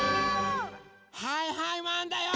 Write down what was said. はいはいマンだよ！